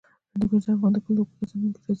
هندوکش د افغان کلتور په داستانونو کې راځي.